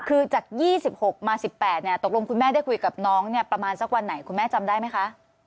คือจาก๒๖มา๑๘ตกลงคุณแม่ได้คุยกับน้องเนี่ยประมาณสักวันไหนคุณแม่จำได้ไหมคะ